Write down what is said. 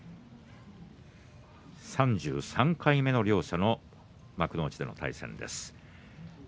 ３３回目の幕内での対戦です。